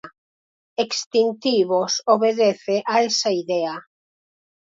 Extintivos obedece a esa idea.